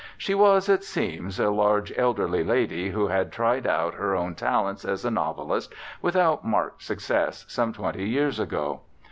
She was, it seems, a large elderly lady who had tried out her own talents as a novelist without marked success some twenty years ago.